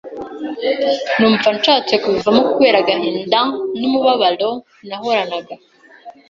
numva nshatse kubivamo kubera agahinda n’umubabaro nahoranaga